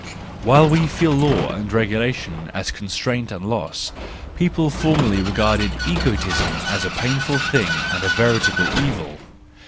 While we feel law and regulation as constraint and loss', people formerly regarded egoism as a painful thing, and a veritable evil.